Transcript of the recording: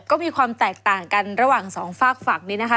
ก็มีความแตกต่างกันระหว่างสองฝากฝั่งนี้นะคะ